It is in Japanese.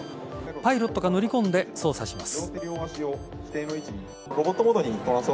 パイロットが乗り込んで操作します。